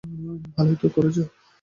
ভালোই তো করছে।